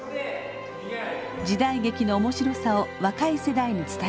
時代劇の面白さを若い世代に伝えたい。